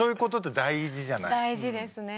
大事ですね。